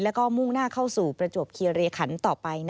แล้วก็มุ่งหน้าเข้าสู่ประจวบคีรีขันต่อไป